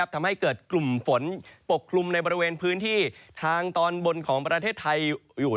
ทำให้เกิดกลุ่มฝนปกคลุมในบริเวณพื้นที่ทางตอนบนของประเทศไทยอยู่